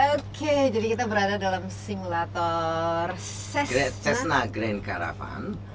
oke jadi kita berada di simulator cessna grand caravan